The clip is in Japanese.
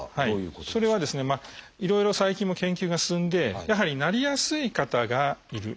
それはいろいろ最近も研究が進んでやはりなりやすい方がいる。